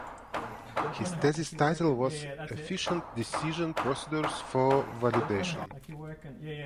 His thesis title was ‘Efficient decision procedures for validation’.